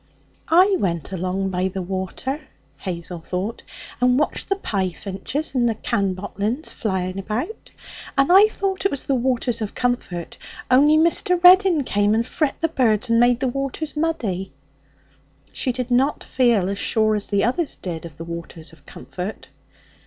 'I went along by the water,' Hazel thought, 'and watched the piefinches and the canbottlins flying about. And I thought it was the waters of comfort. Only Mr. Reddin came and frit the birds and made the water muddy.' She did not feel as sure as the others did of the waters of comfort.